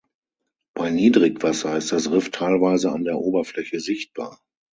Bei Niedrigwasser ist das Riff teilweise an der Oberfläche sichtbar.